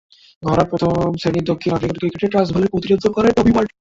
ঘরোয়া প্রথম-শ্রেণীর দক্ষিণ আফ্রিকান ক্রিকেটে ট্রান্সভালের প্রতিনিধিত্ব করেন টমি ওয়ার্ড।